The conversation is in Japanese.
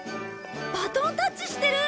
バトンタッチしてる！